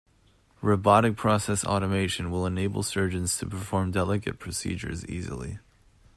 Robotic process automation will enable surgeons to perform delicate procedures easily.